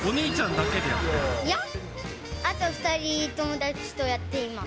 いや、あと２人友達とやっています。